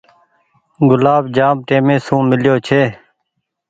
گلآب جآم ٽيمي سون ميليو ڇي۔